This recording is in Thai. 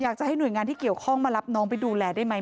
อยากจะให้หน่วยงานที่เกี่ยวข้องมารับน้องไปดูแลได้ไหม